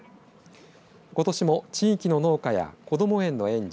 ことしも、地域の農家やこども園の園児